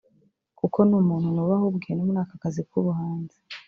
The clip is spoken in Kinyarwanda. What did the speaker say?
kuko ni umuntu nubaha ubwe no muri aka kazi k’ubuhanzi